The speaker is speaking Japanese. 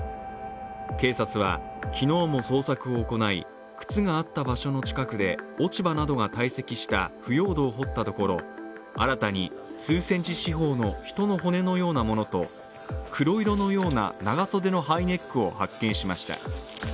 警察は昨日も捜索を行い靴があった場所の近くで落ち葉などが堆積した腐葉土を掘ったところ新たに数センチ四方の人の骨のようなものと黒色のような長袖のハイネックを発見しました。